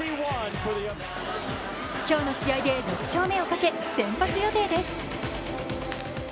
今日の試合で６勝目をかけ、先発予定です。